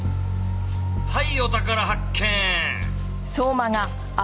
はいお宝発見！